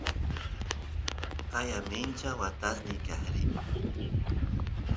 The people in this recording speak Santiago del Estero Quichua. qaya mincha watasniy kaq rin